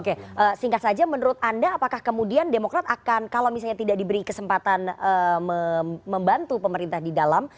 oke singkat saja menurut anda apakah kemudian demokrat akan kalau misalnya tidak diberi kesempatan membantu pemerintah di dalam